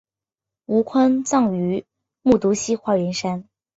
吴宽葬于木渎西花园山。